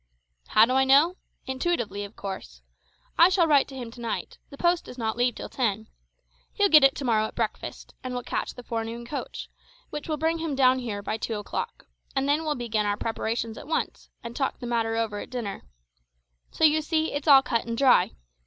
"How do I know? Intuitively, of course. I shall write to him to night; the post does not leave till ten. He'll get it to morrow at breakfast, and will catch the forenoon coach, which will bring him down here by two o'clock, and then we'll begin our preparations at once, and talk the matter over at dinner. So you see it's all cut and dry.